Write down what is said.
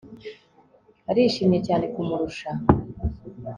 Arishimye cyane kumurusha